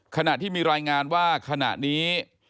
ขณะที่มีรายงานว่าขณะนี้